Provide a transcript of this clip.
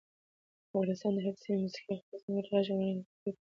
د افغانستان د هرې سیمې موسیقي خپل ځانګړی غږ، رنګ او کلتوري پیغام لري.